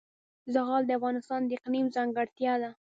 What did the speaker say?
زغال د افغانستان د اقلیم ځانګړتیا ده.